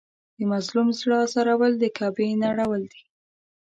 د مظلوم زړه ازارول د کعبې نړول دي.